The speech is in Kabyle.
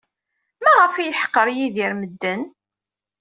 Maɣef ay yeḥqer Yidir medden?